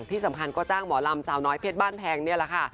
ที่สำคัญก็จ้างหมอลำสาวน้อยเพชรบ้านแพงนี่แหละค่ะ